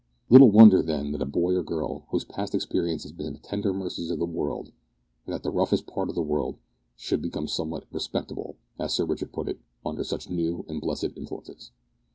Little wonder, then, that a boy or girl, whose past experience has been the tender mercies of the world and that the roughest part of the world should become somewhat "respectable," as Sir Richard put it, under such new and blessed influences.